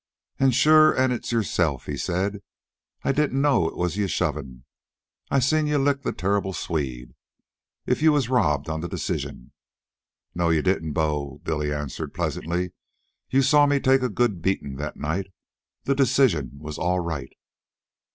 "An' sure an' it's yerself," he said. "I didn't know it was yeh a shovin'. I seen yeh lick the Terrible Swede, if yeh WAS robbed on the decision." "No, you didn't, Bo," Billy answered pleasantly. "You saw me take a good beatin' that night. The decision was all right."